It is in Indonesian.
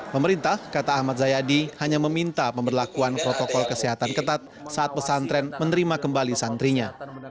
pemerintah kata ahmad zayadi hanya meminta pemberlakuan protokol kesehatan ketat saat pesantren menerima kembali santrinya